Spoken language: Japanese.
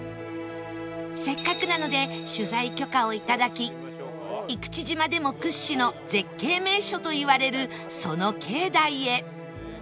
せっかくなので取材許可を頂き生口島でも屈指の絶景名所といわれるその境内へ